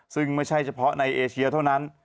ซึ่งไม่ใช่เฉพาะในเอเชียเท่านั้น